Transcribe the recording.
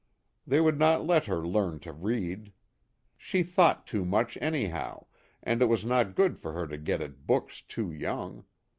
They would not let her learn to read. She thought too much anyhow, and it was not good for her to get at books too young.